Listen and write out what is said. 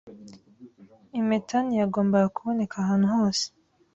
Impeta ntiyagombaga kuboneka ahantu hose.